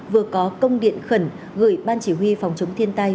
vừa có công điện khẩn gửi ban chỉ huy phòng chống thiên tai